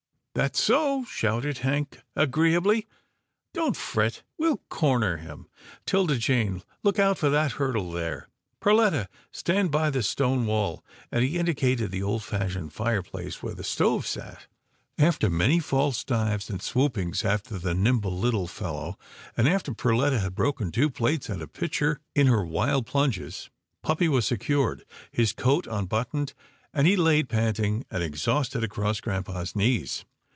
"That's so," shouted Hank agreeably, "don't fret, sir, we'll corner him. 'Tilda Jane, look out for that hurdle there. Perletta, stand by the stone wall," and he indicated the old fashioned fireplace where the stove sat. After many false dives and swoopings after the nimble little fellow, and after Perletta had broken two plates and a pitcher in GRAMPA'S DRIVE 133 her wild plunges, puppy was secured, his coat un buttoned, and he laid panting and exhausted across grampa's knees.